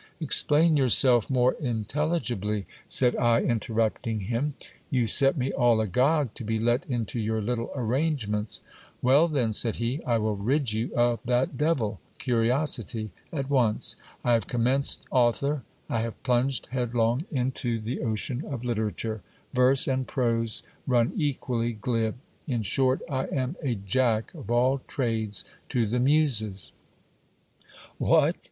Explain yourself more intelligibly, said I, interrupting him. You set me all agog to be let into your little arrangements. Well, then ! said he, I will rid you GIL BLAS. of that devil curiosity at once. I have commenced author, have plunged head long into the ocean of literature ; verse and prose run equally glib ; in short I am a jack of all trades to the muses. What